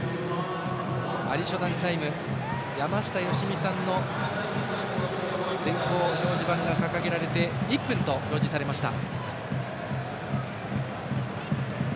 アディショナルタイムは山下良美さんの電光表示板が掲げられて１分と表示されました。